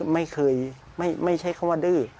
ไม่เคยไม่ใช่คำว่าดื้อ